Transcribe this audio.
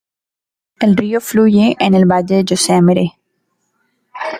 El río fluye en el valle Yosemite.